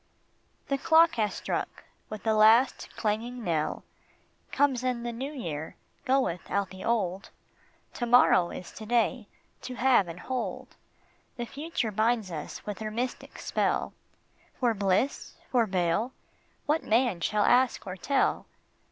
The clock has struck with the last clanging knell Comes in the new year, goeth out the old ; To morrow is to day, to have and hold ; The future binds us with her mystic spell. For bliss ? for bale ? what man shall ask or tell